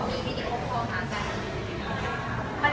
เป็นภาพอะไร